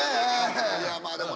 いやまあでもね